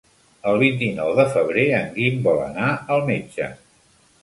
El vint-i-nou de febrer en Guim vol anar al metge.